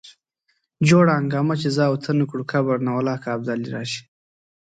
جوړه هنګامه چې زه او ته نه کړو قبر نه والله که ابدالي راشي.